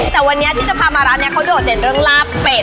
แต่วันนี้ที่จะพามาร้านนี้เขาโดดเด่นเรื่องลาบเป็ด